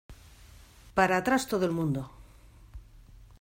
Para atrás, todo el mundo.